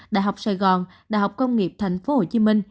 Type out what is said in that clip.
đại học sài gòn đại học công nghiệp thành phố hồ chí minh